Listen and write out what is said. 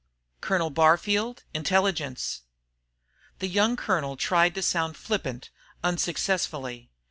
"Colonel Barfield, Intelligence?" The young colonel tried to sound flippant, unsuccessfully.